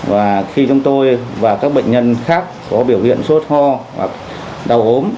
và khi chúng tôi và các bệnh nhân khác có biểu hiện sốt ho hoặc đau ốm